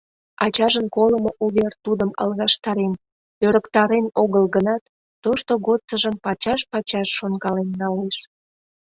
Ачажын колымо увер тудым алгаштарен, ӧрыктарен огыл гынат, тошто годсыжым пачаш-пачаш шонкален налеш.